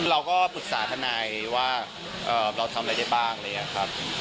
เราก็ปรึกษาทนายว่าเอ่อเราทำอะไรได้บ้างเลยอะครับ